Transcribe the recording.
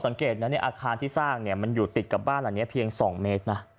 สังเกตนะอาคารที่สร้างมันอยู่ติดกับบ้านหลังนี้เพียง๒เมตรนะ